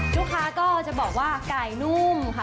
ลูกค้าก็จะบอกว่าไก่นุ่มค่ะ